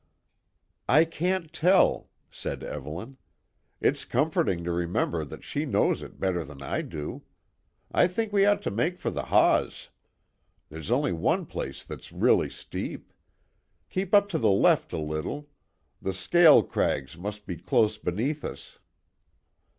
"I can't tell," said Evelyn. "It's comforting to remember that she knows it better than I do. I think we ought to make for the Hause; there's only one place that's really steep. Keep up to the left a little; the Scale Crags must be close beneath us."